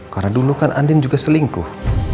karena dulu kan andin juga selingkuh